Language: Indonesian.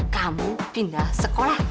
kamu pindah sekolah